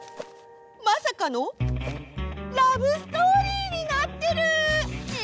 まさかのラブストーリーになってる！え！